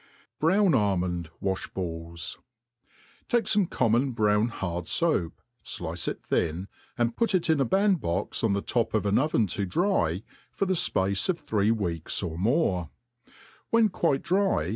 Brown Jbmnd Wajh^BaUi. TAtCE fome common brown hard foap, flice it thin, and put it into a band box on the top of an oven to dry, for the fpace of three weeks, of more; when quite dry